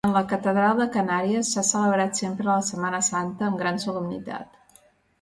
En la catedral de Canàries s'ha celebrat sempre la Setmana Santa amb gran solemnitat.